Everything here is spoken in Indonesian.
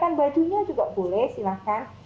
sehingga mau disesuaikan bajunya juga boleh silahkan